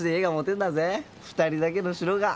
２人だけの城が。